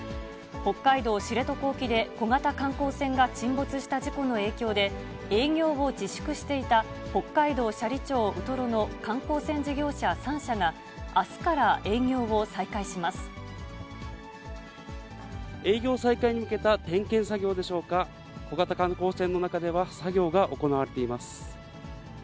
北海道知床沖で、小型観光船が沈没した事故の影響で、営業を自粛していた北海道斜里町ウトロの観光船事業者３社が、営業再開に向けた点検作業でしょうか、小型観光船の中では、作業が行われています。